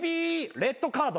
レッドカード。